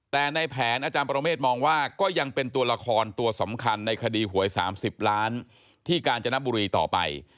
แต่ในแผนอาจารย์ปรเมฆมองว่าก็ยังเป็นตัวละครตัวสำคัญในคดีหวย๓๐ล้านที่กาญจนบุรีต่อไป